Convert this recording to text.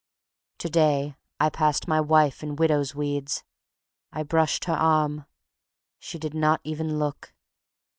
To day I passed my wife in widow's weeds. I brushed her arm. She did not even look.